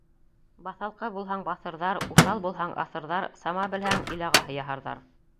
Баҫалҡы булһаң, баҫырҙар, уҫал булһаң, аҫырҙар, сама белһәң, ил ағаһы яһарҙар.